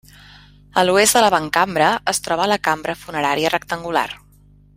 A l'oest de l'avantcambra es troba la cambra funerària rectangular.